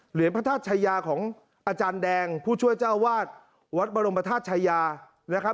เหรียญพระธาตุชายาของอาจารย์แดงผู้ช่วยเจ้าอาวาสวัดบรมภาษาชายา